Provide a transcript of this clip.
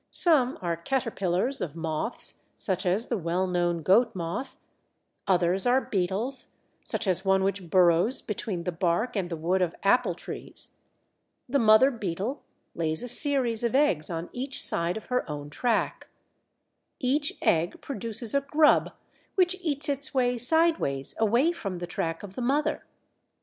Some are caterpillars of moths, such as the well known Goat moth; others are beetles, such as one which burrows between the bark and the wood of apple trees. The mother beetle lays a series of eggs on each side of her own track. Each egg produces a grub which eats its way sideways away from the track of the mother.